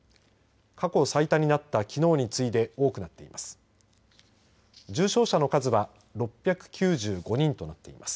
過去最多になったきのうに次いで多くなっています。